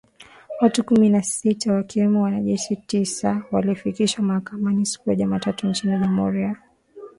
Watu kumi na sita wakiwemo wanajeshi tisa, walifikishwa mahakamani siku ya Jumatatu nchini Jamuhuri ya Kidemokrasia ya Kongo